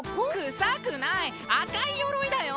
臭くない赤い鎧だよ